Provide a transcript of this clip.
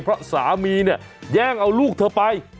เพราะสามีเนี่ยแย่งเอาลูกเธอไป